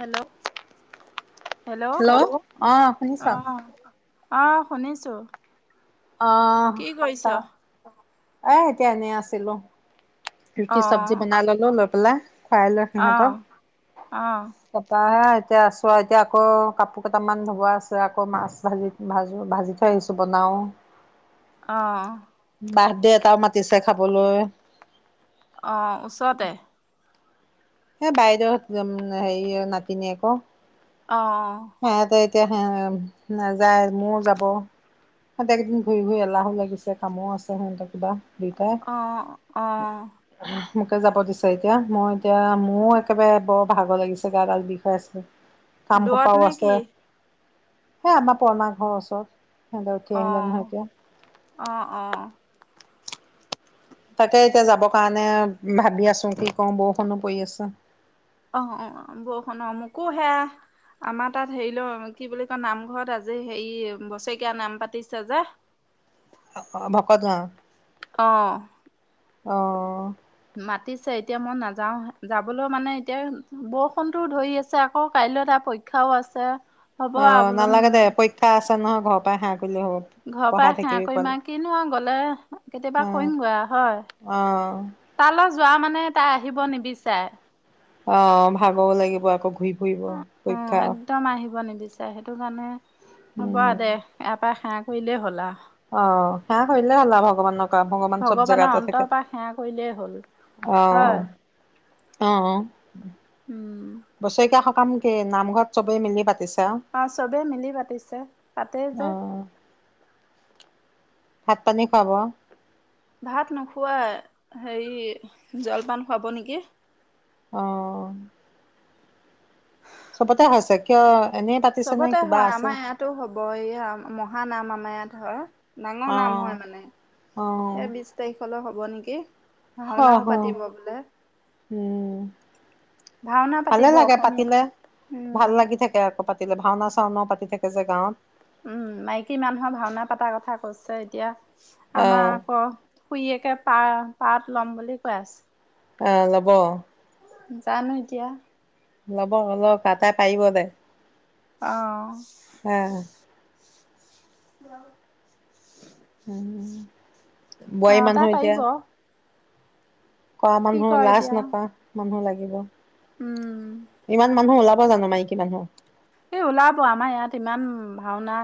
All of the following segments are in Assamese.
হেল্ল' হেল্ল' অঁ শুনিছ। অঁ শুনিছো। অঁ কি কৰিছ? ত' এ এতিয়া এনেই আছিলো। অ ৰুটি চবজি বনাই ল'লো লৈ পেলাই, খুৱাই লৈ অ সিহঁতক। অ তাপা এতিয়া আছো আও এতিয়া আকৌ কাপো কেটামান ধোৱ আছে আকৌ মাছ ভাজি ভাজোঁ, ভাজি থৈ আহিছোঁ বনাওঁ অ, বাৰ্থ দে এটাও মাতিছে খাবলৈ। অ, ওচৰতে। বাইদেউ উম হেৰি নাতিনীয়েক। অ, সিহঁতে এতিয়া, নাযায় মোৰ যাব। সিহঁতেক কেইদিন ঘূৰি ঘূৰি এলাহো লাগিছে, কামো আছে, সিহতে কিবা অ অ দুয়োটাই। মোকে যাব দিছে এতিয়া, মই এতিয়া মোৰ একেবাৰে বৰ ভাগৰ লাগিছে, গা দাল বিষায় আছে। দূৰত নে কি? সে আমাৰ পৰমা ঘৰৰ ওচৰত, সিহঁতে উঠি অ আহিলে নহয় এতিয়া। অ, অ, তাকে এতিয়া যাবৰ কাৰণে ভাবি আছোঁ, কি কওঁ বৰষুণো পৰি আছে। অ, অ, বৰষুণ অ, মোকো হেয়া আমাৰ তাত হেৰি লও, কি বুলি কয় নামঘৰত আজি হেৰি বছেৰেকীয়া নাম পাতিছে যে। [inaudible] অ, অ, ভকত গাঁও। অ, অ', মাতিছে, এতিয়া মই নাযাও যাবলৈও মানে এতিয়া বৰষুণতটোও ধৰি আছে, আকৌ কাইলৈ তা পৰীক্ষাও আছে। হ'ব অ, আৰু বোলো নালাগে দে পৰীক্ষা আছে নহয় ঘৰৰ পৰাই সেৱা কৰিলে হ'ব। ঘৰৰ পৰা পঢ়াই সেৱা থাকিবি কৰিম পোৱালি আৰু কিনো আৰু গ'লে কেতিয়াবা অ', কৰিম গৈ আৰু হয়। অ', তালৈ যোৱা মানে তাই আহিব নিবিচাৰে। অ, ভাগও লাগিব আকৌ ঘূৰি ফুৰিব অ পৰীক্ষা একদম আহিব নিবিচাৰে, সেইটো কাৰণে হ'ব উম। দে ইয়াৰ পৰা সেৱা কৰিলেই হ'ল আৰু। অ, সেৱা কৰিলে হ'ল আৰু ভগৱানক আৰু ভগৱান চব জেগাতে থাকে অন্তৰৰ পৰা সেৱা কৰিলে হ'ল। হয়? উম, উম, উম বছৰেকীয়া সকাম কে নামঘৰত চবেই মিলি পাতিছে আৰু? অ, চবেই মিলি পাতিছে পাতেই যে। অ ভাত পানী খুৱাব? ভাত নোখুৱাই, হেৰি জলপান খুৱাব নেকি। অ, সবতে হৈছে। কিয় এনে তাত চবতে হয়। আমাৰ ইয়াতো হ'ব এয়া মহানাম আমাৰ ইয়াত হয়। ডাঙৰ অ নাম হয় মানে? অ, [unintelligible] তাৰিখলৈ হ'ব নেকি? হ, ভাওনাও হ, পাতিব বোলে উম ভাওনা ভালে পাতিব লাগে অসমীয়া পাৰিলে, ভাল উম। লাগি থাকে আকৌ পাত তিলে, ভাওনা চাওনাও পাতি তাকে যে গাঁৱত। উম, মাইকী মানুহৰ ভাওনা পতাৰ কথা কৈছে এতিয়া আমাৰ আহ আকৌ শুইেকে, পাত পাৰ্ত ল'ম বুলি কৈ আছে। অ', ল'ব। জানোঁ এতিয়া। ল'ব অলপ [unintelligible] পাৰিব দে। অ', [unintelligible] [inaudible] উম, অ বোৱাৰী তাই মানুহ এতিয়া পাৰিব কৰা কি মানুহ কয় লাজ এতিয়া নকৰা, মানুহ লাগিব, উম ইমান মানুহ উলা ব জানোঁ মাইকী মানুহ? এ ওলাব আমাৰ ইয়াত ইমান, ভাওনা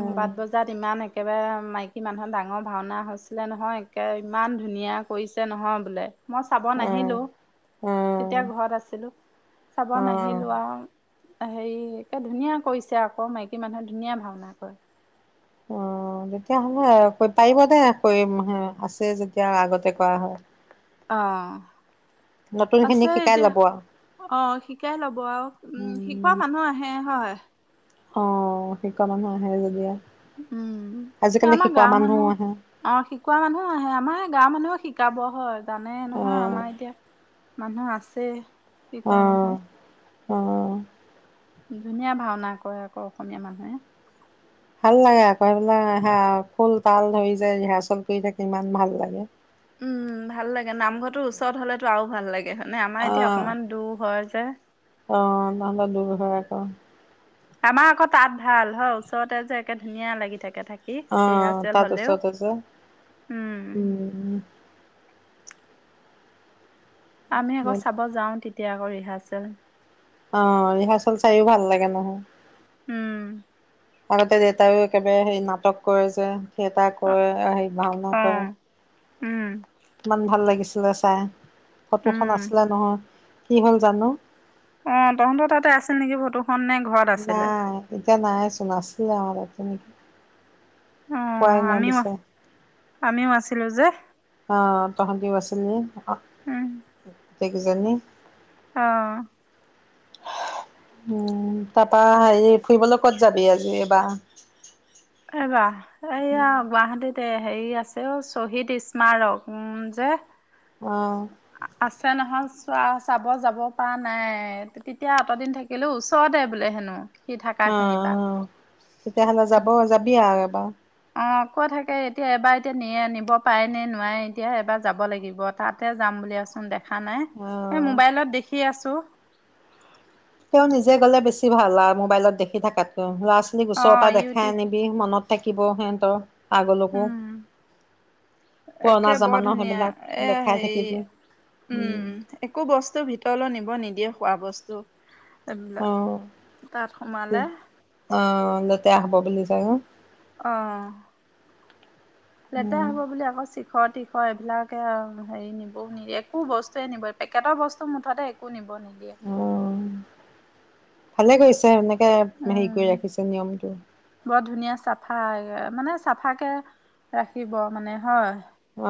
অ [unintelligible] তাত ইমান একেবাৰে মাইকী মানুহৰ ডাঙৰ ভাওনা হৈছিলে নহয় একে ইমান ধুনীয়া। হৈছে নহয় বোলে। মই চাব অ নাহিলোঁ, তেতিয়া অ', ঘৰত আছিলোঁ, চাব অ', নাহিলোঁ আৰু। হেৰি এহ ধুনীয়া কৰিছে আকৌ মাইকী মানুহে ধুনীয়া ভাওনা কৰে। অ', তেতিয়া হ'লে পাৰিব দে [unintelligible] আছে যেতিয়া আগতে কৰা হয়। অ', নতুন আছে খিনিক শিকাই এতিয়া ল'ব আউ। অ', শিকাই ল'ব আউ উম শিকোৱা মানুহ আহে, হয়। অ', শিকোৱা মানুহ আহে যেতিয়া। উম, এহ আমাৰ গাওঁৰ মানুহ আহে অ', শিকোৱা মানুহ আহে আমাৰ গাঁৱৰ মানুহ শিকাব হয় জানে নহয় অ', আমাৰ এতিয়া মানুহ আছে, শিকোৱা অ', মানুহ। অ', ধুনীয়া ভাওনা কৰে আকৌ অসমীয়া মানুহে। ভাল লাগে আকৌ সেইবিলাক আহ সুৰ তাল ধৰি যে সেয়া [unintelligible] কিমান ভাল লাগে। উম, ভাল লাগে নামঘৰটো ওচৰত হ'লেতো আৰু ভাল লাগে হয়নে আমাৰ এতিয়া অ', অকনমান দূৰ হয় যে। অ', তোমালে দূৰ হয় আকৌ। আমাৰ আকৌ তাত ভাল হয় ওচৰতে যে একে ধুনীয়া লাগি থাকে-থাকে। এহ অ', ৰিহাৰ্চেল তাত হলেও, ওচৰতে যে উম, [inaudible] আমি আকৌ চাব যাওঁ তেতিয়া আকৌ ৰিহাৰ্চেল। অ', ৰিহাৰ্চেল চাইও ভাল লাগে নহয়। উম, আগতে দেউতাইও একেবাৰে সেই নাটক কৰে যে, থিয়েটাৰ অ কৰে, হেৰি ভাওনা অ কৰে। উম, ইমান ভাল লাগিছিলে চাই, ফটোখন উম। আছিলে নহয়, কি হ'ল জানোঁ। অ', তহঁতৰ তাতে আছিল নেকি ফটোখন নে ঘৰত আছিলে? নাই এতিয়া নাই চোন আছিলে আগতে। অ পোৱাই নাই আমিও বিচাৰ আমিও আছিলো যে অ', তহঁতিও আছিলি, অ, উম গোটেইকেইজনী। অ', উম, তাৰপা হেৰি ফুৰিবলৈ ক'ত যাবি আজি এইবাৰ? [unintelligible] এইয়া গুৱাহাটীত হেৰি আছে অ, শ্বহীদ স্মাৰক উম, যে। অ', আছে নহয় চোৱা চাব যাব পাৰা নাই, তেতিয়া অতদিন থাক কিলো ওচৰতে বোলে হেনো সি অঁ থাকাখিনিৰ পৰা। অঁ তেতিয়াহলে যাব যাবি আৰু এবাৰ। অ ক থাকে এতিয়া এবাৰ এতিয়া নিয়ে নিব পাৰে নে নোৱাৰে এতিয়া এবাৰ যাব লাগিব। তাতে যাম বুলিয়চোন দেখা নাই অঁ। এই মোবাইলত দেখি আছো। তেওঁ নিজে গ'লে বেছি ভাল আৰু মোবাইলত দেখি থাকাতকৈও ল'ৰা-ছোৱালী অ ওচৰৰ পৰা দেখাই ইউটিউব আনিবি। মনত থাকিব সিহঁতৰ আগলৈকো। উম একে পুৰণা বৰ জামানৰ ধুনীয়া এ সেইবিলাক লেখাই হেৰি থাকিবি উম। একো বস্তু ভিতৰলৈ নিব নিদিয়ে খোৱা বস্তু। অ এইবিলাক তাত সোমালে অ লতেৰা হব বুলি কাৰণে। অ লেতেৰা উম হব বুলি আকৌ চিখ তিখ এইবিলাকে হেৰি নিবও নি একো বস্তুৱে নিব পেকেটৰ বস্তু মুঠতে একো নিব নিদিয়ে। অ ভালে কৰিছে এনেকৈ হেৰি উম কৰি ৰাখিছে নিয়মটো। বৰ ধুনীয়া চাফাই মানে চাফ কে ৰাখিব মানে হয়।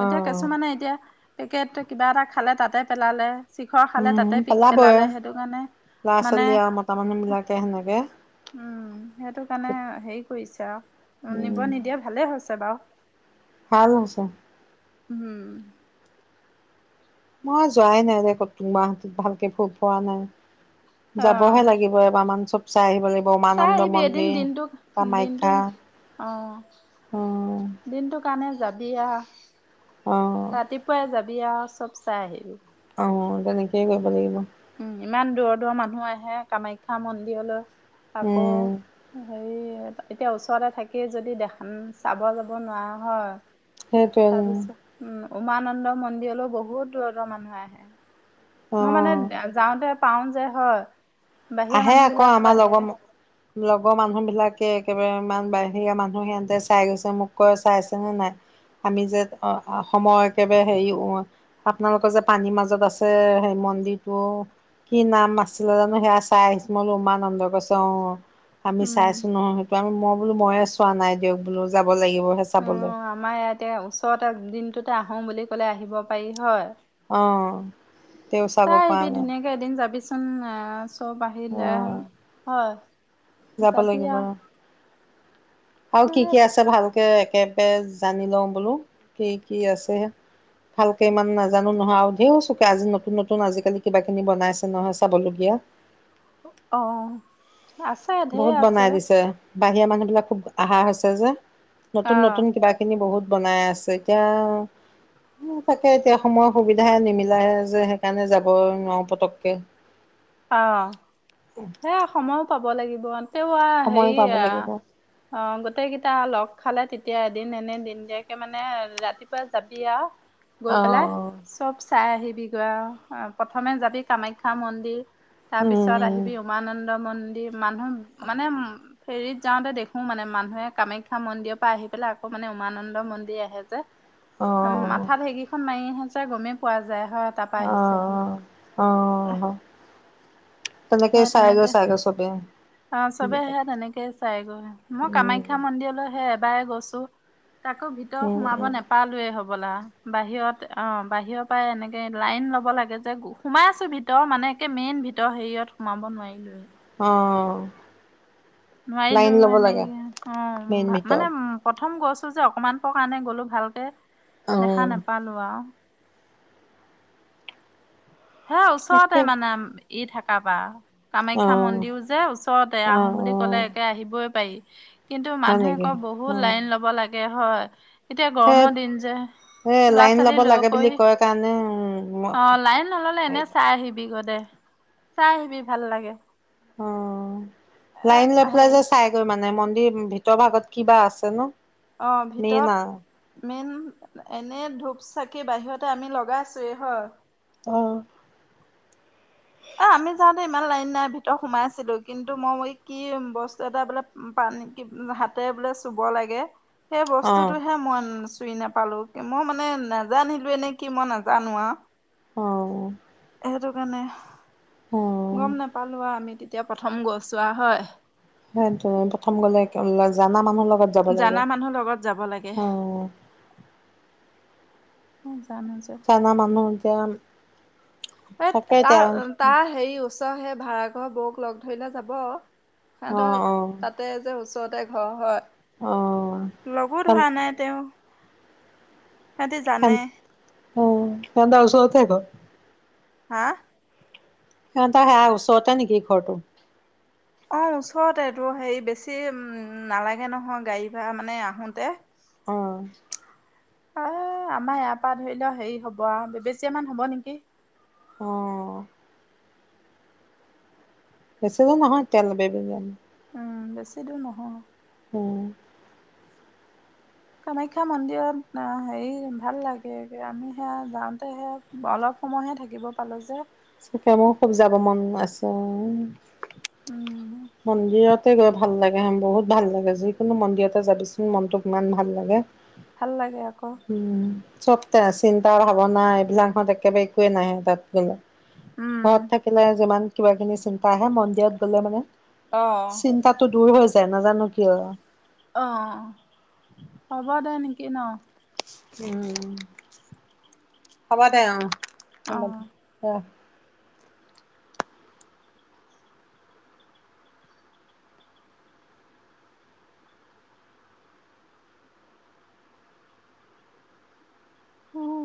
অ এতিয়া কিছুমানে এতিয়া পেকেট কিবা এটা খালে তাতে পেলালে। শিখৰ খালে উম তাতে পিক পেলাবই পেলালে সেইটো কাৰণে ল'ৰা মানে ছোৱালী আৰু মতা মানুহ বিলাকে সেনেকে উম সেইটো কাৰণে হেৰি কৰিছে আৰু নিব উম নিদিয়ে ভালে হৈছে বাৰু ভাল হৈছে। হম। মই যোৱাই নাই দেখ তোমবাহাতত ভালকে ভাল পোৱা নাই। যাবহে অ লাগিব এবাৰান চব চাই আহিব লাগিব চাই উমানন্দ আহিবি এদিন মন্দিৰ দিনটো দিনটো কামাখ্যা। অ উম দিনটো কাৰণে যাবি আহ অ ৰাতি ৰাতিপুৱাই যাবি আৰু চব চাই আহিবি। অ তেনেকেই কৰিব লাগিব। উম‌ ইমান দূৰৰ দূৰ মানুহ আহে কামাখ্যা মন্দিৰলৈ। আকৌ উম হে তেতিয়া ওচৰতে থাকি যদি দেখা চাব যাব নোৱাৰা হয় সেইটোৱে তাৰপিছত উম উমানন্দ মন্দিৰলৈ বহুত দূৰ দূৰ মানুহ আহে। অ মই মানে যাওঁতে পাও যে হয়। বাহিৰা আহে মানুহ আকৌ বিলাকো আমাৰ আহে লগৰ লগৰ মানুহ বিলাকে একেবাৰে ইমান বাহিয়া মানুহ সিহঁতে চাই গৈছে মোক কয় চাই আছে নে নাই। আমি যে অসমৰ একেবাৰে হেৰি আপোনালোকৰ যে পানীৰ মাজত আছে সেই মন্দিৰটো কি নাম আছিলে জানো সেয়া চাই আহিছোঁ বোলো উমান অন্দ কৰিছে অ আমি উম। চাইছো নহয়। মই বোলো মইয়ে চোৱা নাই দিয়ক বোলো যাব লাগিবহে অ চাবলৈ। আমাৰ ইয়া এতিয়া ওচৰতে দিনটোতে আহো বুলি ক'লে আহিব পাৰি হয়। অ তেওঁ চাব চাই পোৱা আহিবি ন, ধুনীয়াকে এদিন যাবিচোন চব অ আহিলে হয়। যাব যাবি লাগিব উম। আৰু কি কি আছে ভালকে একেবে জানি লওঁ বোলো কি কি আছে। ভালকে ইমান নাজানো নহয় আৰু ধেও চকে আজি নতুন নতুন আজিকালি কিবাখিনি বনাইছে নহয় চাবলগীয়া। অ আছে। ঢেৰ বহুত আছে বনাই দিছে বাহিৰা মানুহ বিলাক খুব অহা হৈছে যে অ নতুন নতুন কিবা খিনি বহুত বনাই আছে এতিয়া তাকে এতিয়া সময়ৰ সুবিধাহ নিমিলাইে যে সেইকাৰণে যাব নোৱাৰো পতকে। অ' [unintelligible] এয়া সময়ো পাব লাগিব তেও অ সময় পাব হেৰিয়া লাগিব অ। অ', গোটেইকেইটা লগ খালে তেতিয়া এদিন এনে দিনদিয়াকে মানে ৰাতিপুৱা যাবি আৰু। গৈ অ পেলাই চব চাই আহিবিগৈ আৰু প্ৰথমে যাবি কামাখ্যা, মন্দিৰ। তাৰ উম পিছত উম আহিবি উমানন্দ মন্দিৰ, মানুহ মানে উ ফেৰীত যাওঁতে দেখো মানে মানুহে কামাখ্যা মন্দিৰৰ, পৰা আহি পেলাই আকৌ মানে উমানন্দ মন্দিৰ, আহে। অ মাথাত সেইকিখন মাৰি যে গমেই পোৱা যায় হয়। তাপাই অ আহিছে অ অ বুলে। তাকে চাই গই তেনেকে চাইগ চবে। অ', চবে সে তেনেকে চাইগৈ মই উম কামাখ্যা মন্দিৰলৈহে, এবাৰে গৈছো। তাকো ভিতৰ উম সোমাব উম নোপালোৱয়ে হবলা। বাহিৰত অ', বাহিৰৰ পৰা এনেকে লাইন ল'ব লাগে যে সোমাই আছো ভিতৰ মানে একে মেইন ভিতৰ হেৰিয়ত সোমাব নোৱাৰিলোৱয়ে। অঁ নোৱাৰিলো এনেকে মেইন অ ভিতৰত মানে উম প্ৰথম গৈছো যে অকমান প কাৰণে গলো ভালকে অ'। দেখা নেপালো আৰু। হে ওচৰতে তাকে। মানে ই থাকা পা কামাখ্যা অ', মন্দিৰ, যে ওচৰতে অ', আহোম বুলি কলে অ', একে আহিবই পাৰি। কিন্তু হয় মানুহে নেকি? আকৌ বহুত অ'। লাইন লব লাগে হয় এতিয়া সেই গৰমৰ দিন যে। এ লৰা লাইন ল'ব -ছোৱালী লৈ লাগে বুলি কৰি কয় কাৰণে অ লাইন নললে লে এনে চাই আহিবি গদে চাই আহিবি ভাল লাগে। এ লাইন লৈ পেলাই হেই যে চাইগৈ মানে মন্দিৰ, ভিতৰ ভাগত কিবা আছে নে। অ ভিতৰত মেইন এনে ধূপ, চাকি, বাহিৰতে আমি লগাই আছোৱে হয়। অ এ আমি যাওঁতে ইমান লাইন নাই ভিতৰত সোমা। ই আছিলো কিন্তু মই ম কি বস্তু এটা বোলে পানী হাতে বোলে চুব লাগে সেই অ', বস্তুতটো হে মই নোচু চুই নাপালো মই মানে নাজানিলো এ নে কি মই নাজানো আৰু অ'। সেইটো কাৰণে অ', গম নোপালো আৰু আমি তেতিয়া প্ৰথম গছ ৰোৱা হয়। সেইটো প্ৰথম গ'লে জানা মানুহৰ লগত যাব লাগে। জানা মানুহৰ লগত যাব লাগে। অ', কোন জানে যে। আমাৰ মানুহ এতিয়া তাকে এই তাৰ এতিয়া তাৰ হেৰি উচ সেই ভাড়াঘৰ, বৌক, লগ ধৰিলে যাব। সেই অ', অ', তাত যে ওচৰতে ঘৰ হয় অ', লগো ধৰা নাই তেওঁ সিহঁতে জানে। উম সিহঁতৰ ওচৰতে ঘৰ। হা সেহঁতে সেয়া ওচৰতে নেকি ঘৰটো। অঁ ওচৰতে তোৰ হেৰি বেছি নালাগে নহয় গাড়ী- ভাড়া মানে আহোঁতে অ অ আমাৰ ইয়াৰ পৰা ধৰি লও হেৰি হ'ব বেবেচিয়ে মান হব নেকি? অঁ বেছি দূৰ নহয় তেল বেবেজান উম বেছি দূৰ নহয় উম কামাখ্যা মন্দিৰত হেৰি ভাল লাগে আমি সেয়া যাওঁতে সেয়া অলপ সময়হে থাকিব পালো যে চাকে মোৰ খুব যাব মন আছে উম মন্দিৰতে গৈ ভাল লাগে বহুত ভাল লাগে যিকোনো মন্দিৰতে যাবি চোন মনটো কিমান ভাল লাগে ভাল লাগে আকৌ হুম চব তে চিন্তা ভাৱনা এইবিলাকত একেবাৰে একোৱে নাহে তাত গলে উম ঘৰত থাকিলে যিমান কিবা কিনি চিন্তা আহে মন্দিৰত গলে মানে অ চিন্তাটো দূৰ হৈ যায় নাজানো কিয় অ হ'ব দে নেকি ন উম হব দে অ অহ অ